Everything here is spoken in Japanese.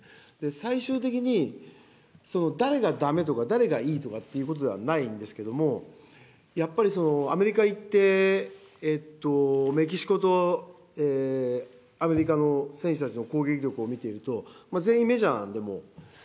最終的に、誰がだめとか、誰がいいとかっていうことではないんですけども、やっぱりアメリカ行って、メキシコとアメリカの選手たちの攻撃力を見ていると、全員メジャーなんで、もう。